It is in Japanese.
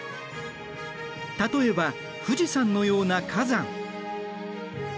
例えば富士山のような火山。